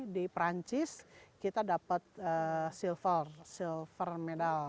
di perancis kita dapat silver silver medal